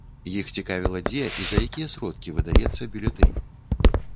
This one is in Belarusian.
Іх цікавіла, дзе і за якія сродкі выдаецца бюлетэнь.